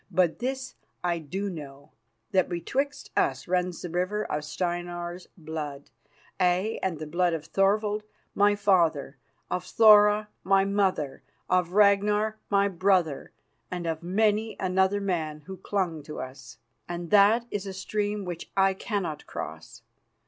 But this I do know: that betwixt us runs the river of Steinar's blood, aye, and the blood of Thorvald, my father, of Thora, my mother, of Ragnar, my brother, and of many another man who clung to us, and that is a stream which I cannot cross.